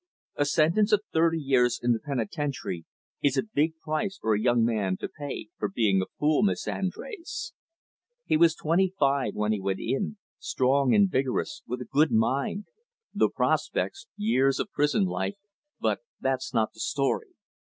"A sentence of thirty years in the penitentiary is a big price for a young man to pay for being a fool, Miss Andrés. He was twenty five when he went in strong and vigorous, with a good mind; the prospects years of prison life but that's not the story.